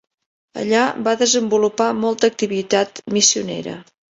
Allà va desenvolupar molta activitat missionera.